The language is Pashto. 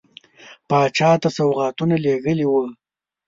پاچا ته سوغاتونه لېږلي وه.